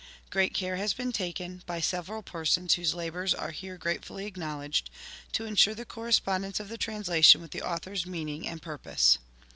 Great care has been taken, by several persons whose labours are here gratefully acknowledged, to ensure the correspondence of the translation Avith the Author's meaning and pur pose.